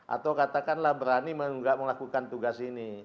atau katakanlah berani melakukan tugas ini